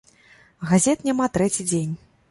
Газет няма трэці дзень.